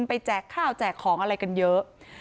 แจกข้าวแจกของอะไรกันเยอะ